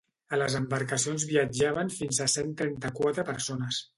A les embarcacions viatjaven fins a cent trenta-quatre persones.